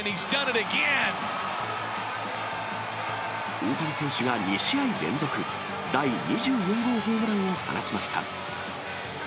大谷選手が２試合連続、第２４号ホームランを放ちました。